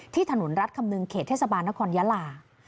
ถนนรัฐคำนึงเขตเทศบาลนครยาลา